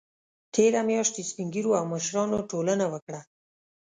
تېره میاشت سپین ږیرو او مشرانو ټولنه وکړه